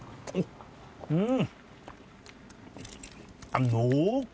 うん！